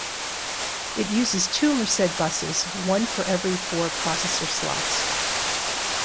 It uses two Merced buses, one for every four processor slots.